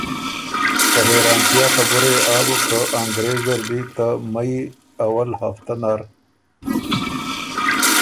ته حېرانتیا خبُره يې آ بُک که انګرېز زر دی ته مئ اول هفته نر